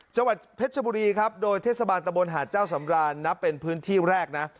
จังหวัดเพชรชบุรีครับโดยเทศบาลตะบนหาดเจ้าสำรานนับเป็นพื้นที่แรกนะ